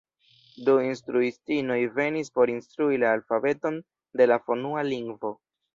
Du instruistinoj venis por instrui la alfabeton de la fonua lingvo.